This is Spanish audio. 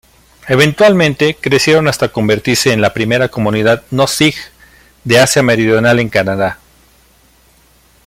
Eventualmente crecieron hasta convertirse en la primera comunidad no-sij de Asia meridional en Canadá.